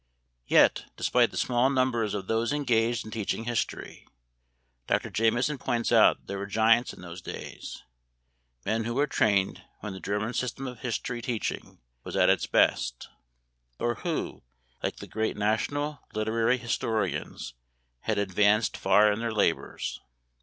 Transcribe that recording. Yet, despite the small numbers of those engaged in teaching history, Dr. Jameson points out that there were giants in those days, men who were trained when the German system of history teaching was at its best, or who, like the great national literary historians, had advanced far in their labors.